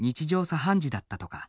茶飯事だったとか。